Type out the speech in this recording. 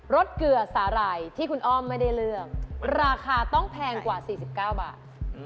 สเกลือสาหร่ายที่คุณอ้อมไม่ได้เลือกราคาต้องแพงกว่า๔๙บาท